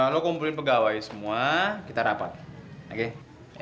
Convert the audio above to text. lo kumpulin pegawai semua kita rapat